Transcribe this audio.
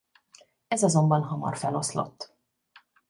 Ez azonban hamar feloszlott.